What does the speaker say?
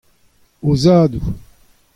o zadoù.